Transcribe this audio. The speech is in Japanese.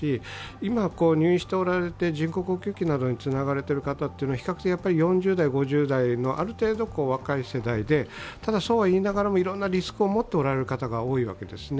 今、入院しておられて人工呼吸器につながれている方は比較的４０代、５０代のある程度の若い世代で、ただ、そうは言いながらもいろんなリスクを持っておられる方が多いわけですね。